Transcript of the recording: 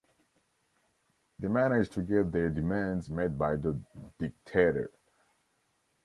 They managed to get their demands met by the dictator.